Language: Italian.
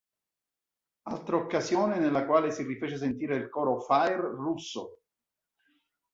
Altra occasione nella quale si rifece sentire il coro "Fire Russo!